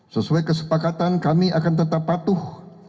sesuai kesepakatan kami akan tetap patuh